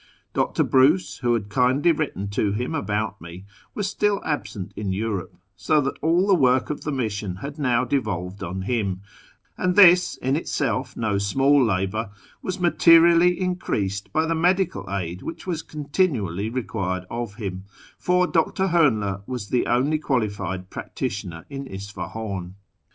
Dr. Bruce, who had kindly written to him about me, was still absent in Europe, so that all the work of the mission had now devolved on him, and this, in itself no small labour, was materially increased by the medical aid which was continually required of him ; for Dr. Hoernle is the only qualilied practitioner in Isfahiin.